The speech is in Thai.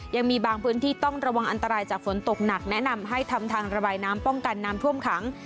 ยังมีบางพื้นที่ต้องระวังอันตรายจากฝนตกหนักแนะนำให้ทำทางระบายน้ำป้องกันน้ำท่วมขัง